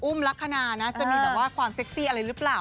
ลักษณะนะจะมีแบบว่าความเซ็กซี่อะไรหรือเปล่า